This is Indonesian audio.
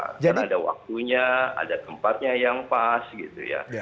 karena ada waktunya ada tempatnya yang pas gitu ya